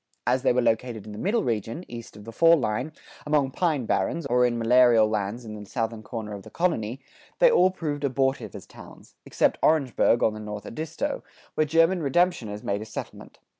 As they were located in the middle region, east of the fall line, among pine barrens, or in malarial lands in the southern corner of the colony, they all proved abortive as towns, except Orangeburg[96:5] on the North Edisto, where German redemptioners made a settlement.